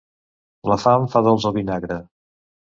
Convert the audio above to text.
La fam fa dolç el vinagre.